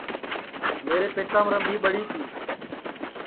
میرے پیٹیام رمبھی پڑی تی